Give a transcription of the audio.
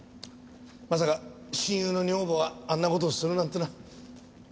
まさか親友の女房があんな事をするなんていうのは。